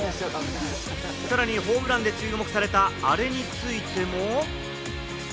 さらにホームランで注目された、あれについても。